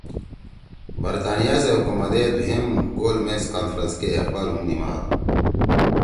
برطانیہ سی حکومت ئے دُھوئم گول میز کانفرنس کے اقبال ہُم نیِماد